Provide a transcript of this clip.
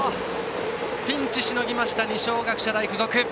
ピンチしのいだ二松学舎大付属。